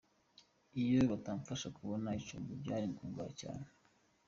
Iyo batamfasha kubona icumbi byari kungora cyane”.